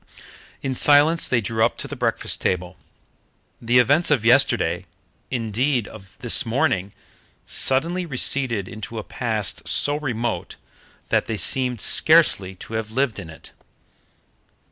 In silence they drew up to the breakfast table. The events of yesterday indeed, of this morning suddenly receded into a past so remote that they seemed scarcely to have lived in it.